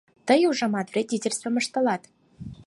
Тый, ужамат, вредительствым ыштылат.